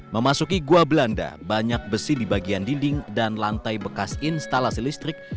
memasuki gua belanda banyak besi di bagian dinding dan lantai bekas instalasi listrik